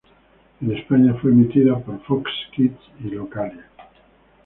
En España fue emitida por Fox Kids y Localia.